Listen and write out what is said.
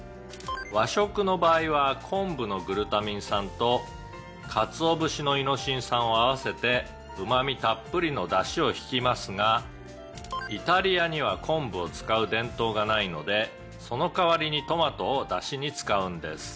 「和食の場合は昆布のグルタミン酸と鰹節のイノシン酸を合わせてうま味たっぷりのだしを引きますがイタリアには昆布を使う伝統がないのでその代わりにトマトをだしに使うんです」